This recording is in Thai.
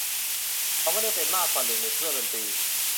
เขาไม่ได้เป็นมากกว่าหนึ่งในเครื่องดนตรี